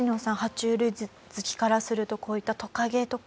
爬虫類好きからするとこういったトカゲとか。